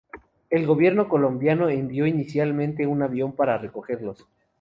El gobierno colombiano envió inicialmente un avión para recogerlos.